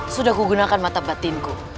sudah kugunakan mata batinku